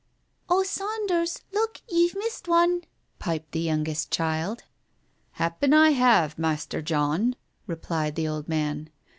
"Oh, Saunders, look, ye've missed one!" piped the youngest child. "Happen I have, Master John," replied the old man.